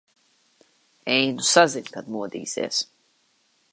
Ej nu sazin, kad modīsies.